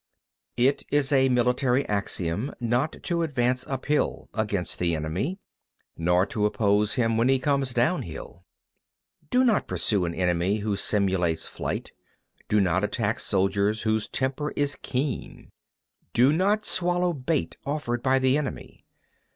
33. It is a military axiom not to advance uphill against the enemy, nor to oppose him when he comes downhill. 34. Do not pursue an enemy who simulates flight; do not attack soldiers whose temper is keen. 35. Do not swallow a bait offered by the enemy.